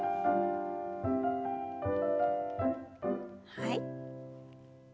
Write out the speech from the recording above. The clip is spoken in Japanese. はい。